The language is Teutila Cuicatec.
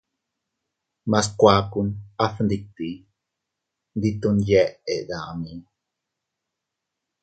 Mas kuakun a fgnditi, ndi ton yeʼe dami.